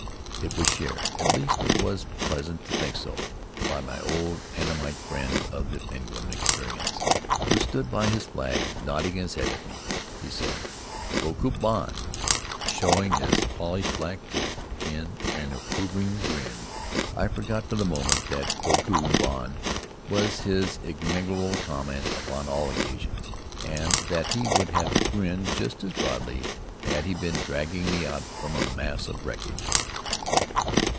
It was shared at least it was pleasant to think so by my old Annamite friend of the Penguin experience, who stood by his flag nodding his head at me. He said, "Beaucoup bon," showing his polished black teeth in an approving grin. I forgot for the moment that "beaucoup bon" was his enigmatical comment upon all occasions, and that he would have grinned just as broadly had he been dragging me out from a mass of wreckage.